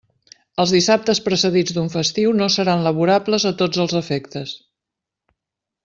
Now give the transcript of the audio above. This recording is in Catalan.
Els dissabtes precedits d'un festiu no seran laborables a tots els efectes.